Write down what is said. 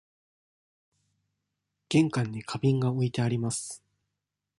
玄関に花瓶が置いてあります。